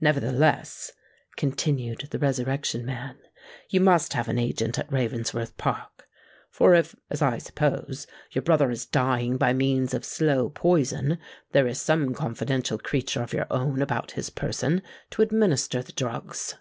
"Nevertheless," continued the Resurrection Man, "you must have an agent at Ravensworth Park; for if—as I suppose—your brother is dying by means of slow poison, there is some confidential creature of your own about his person to administer the drugs."